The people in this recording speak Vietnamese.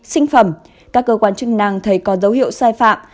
sinh phẩm các cơ quan chức năng thấy có dấu hiệu sai phạm